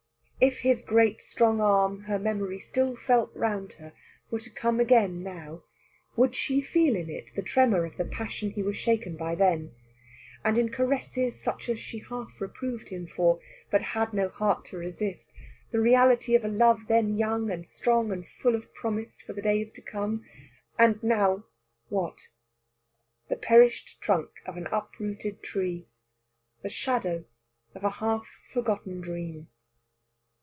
If his great strong arm her memory still felt round her were to come again now, would she feel in it the tremor of the passion he was shaken by then; and in caresses such as she half reproved him for, but had no heart to resist, the reality of a love then young and strong and full of promise for the days to come? And now what? The perished trunk of an uprooted tree: the shadow of a half forgotten dream.